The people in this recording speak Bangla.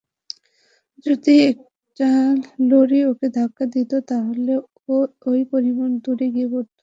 যদি একটা লরি ওকে ধাক্কা দিত, তাহলে ও এই পরিমাণ দূরে গিয়ে পড়ত।